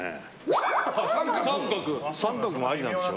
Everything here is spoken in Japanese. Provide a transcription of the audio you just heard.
△もありなんでしょ。